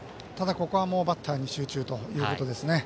ここはバッターに集中ということですね。